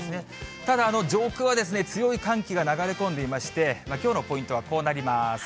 ただ、上空は強い寒気が流れ込んでいまして、きょうのポイントはこうなります。